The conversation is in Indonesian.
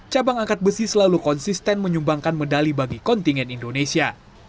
cabang angkat besi selalu konsisten menyumbangkan medali bagi kontingen indonesia